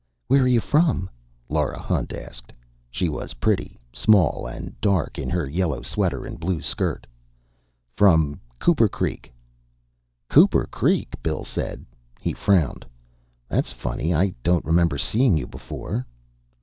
"Where are you from?" Lora Hunt asked. She was pretty, small and dark, in her yellow sweater and blue skirt. "From Cooper Creek." "Cooper Creek?" Bill said. He frowned. "That's funny. I don't remember seeing you before."